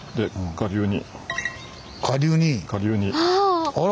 下流に。